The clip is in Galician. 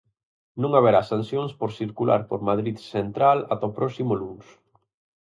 Non haberá sancións por circular por Madrid Central ata o próximo luns.